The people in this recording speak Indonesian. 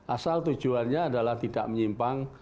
asal tujuannya adalah tidak menyimpang